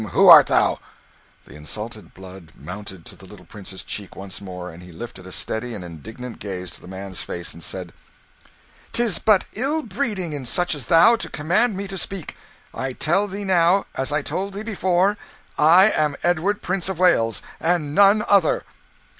Who art thou?" The insulted blood mounted to the little prince's cheek once more, and he lifted a steady and indignant gaze to the man's face and said "'Tis but ill breeding in such as thou to command me to speak. I tell thee now, as I told thee before, I am Edward, Prince of Wales, and none other."